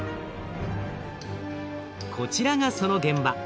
こちらがその現場。